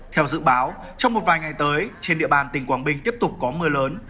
theo dự báo trong một vài ngày tới trên địa bàn tỉnh quảng bình tiếp tục có mưa lớn